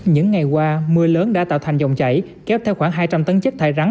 những ngày qua mưa lớn đã tạo thành dòng chảy kéo theo khoảng hai trăm linh tấn chất thải rắn